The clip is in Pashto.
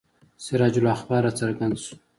سراج الاخبار را څرګند شو.